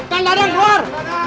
kang gadang keluar